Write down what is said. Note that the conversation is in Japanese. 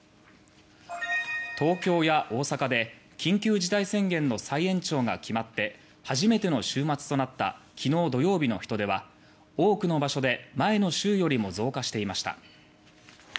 東京や大阪で緊急事態宣言の再延長が決まって初めての週末となったきのう土曜日の人出は多くの場所で前の週よりも増加していました。